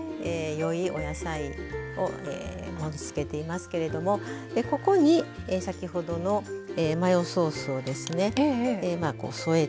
良いお野菜をえ盛りつけていますけれどもここに先ほどのマヨソースをですねえ